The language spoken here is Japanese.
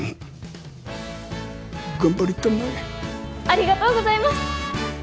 ありがとうございます！